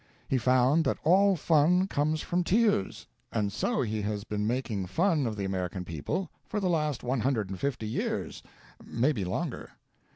He found that all fun comes from tears, and so he has been making fun of the American people for the last one hundred and fifty years, maybe longer.